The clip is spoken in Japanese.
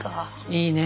いいね。